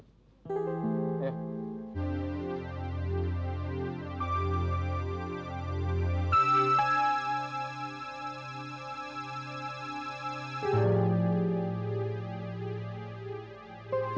kita sudah bisa